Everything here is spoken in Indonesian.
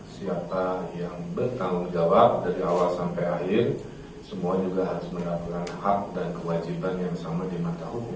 siapa yang bertanggung jawab dari awal sampai akhir semua juga harus mendapatkan hak dan kewajiban yang sama di mata hukum